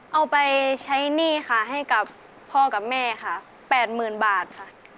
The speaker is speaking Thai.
เอาไปใช้หนี้ค่ะให้กับพ่อกับแม่ค่ะ๘๐๐๐บาทค่ะ